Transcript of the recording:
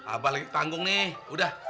abah lagi tanggung nih udah